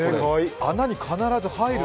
穴に必ず入る。